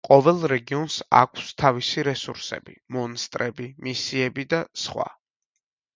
ყოველ რეგიონს აქვს თავისი რესურსები, მონსტრები, მისიები და სხვა.